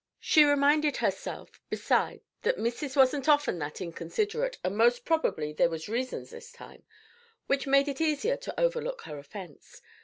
She reminded herself, beside, that "Missis wasn't often that inconsiderate, and most probably there was reasons this time," which made it easier to overlook her offence.